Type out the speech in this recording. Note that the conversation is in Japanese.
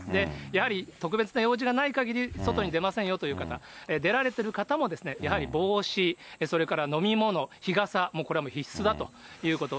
やはり特別な用事がないかぎり、外に出ませんよという方、出られている方も、やはり帽子、それから飲み物、日傘、これはもう必須だということ。